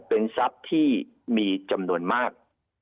เป็นทรัพย์ที่มีจำนวนมาก